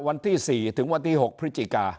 วันที่๔ถึงวันที่๖พฤศจิกา